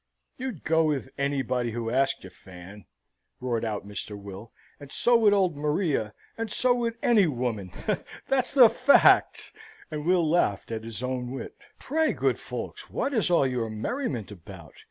"You'd go with anybody who asked you, Fan!" roared out Mr. Will: "and so would old Maria, and so would any woman, that's the fact." And Will laughed at his own wit. "Pray, good folks, what is all your merriment about?"